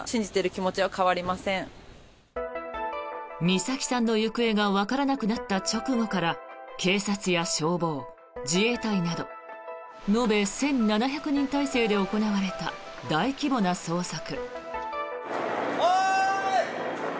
美咲さんの行方がわからなくなった直後から警察や消防、自衛隊など延べ１７００人態勢で行われた大規模な捜索。